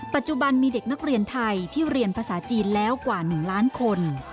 ปัจจุบันมีเด็กนักเรียนไทยที่เรียนภาษาจีนแล้วกว่า๑ล้านคน